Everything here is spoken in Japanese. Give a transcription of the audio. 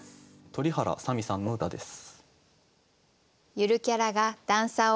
鳥原さみさんの歌です。